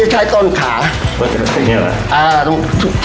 ได้เลย